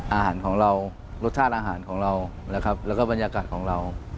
อาหารของเรารสชาติอาหารของเรานะครับแล้วก็บรรยากาศของเรา